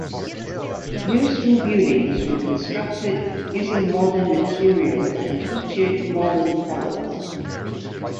New school buildings were constructed using modern materials and featured modern colours.